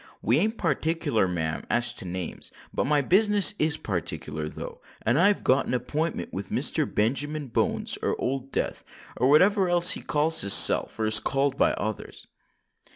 We ain't partickler, ma'am, as to names; but my business is partickler, though—and I've got an appintment with Mr. Benjamin Bones—or Old Death—or whatever else he calls his self or is called by others."